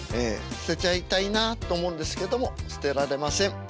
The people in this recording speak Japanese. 捨てちゃいたいなと思うんですけども捨てられません。